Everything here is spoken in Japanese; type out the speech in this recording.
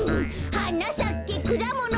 「はなさけくだもの」